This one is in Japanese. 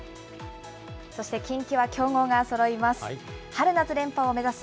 そして近畿は強豪がそろいます。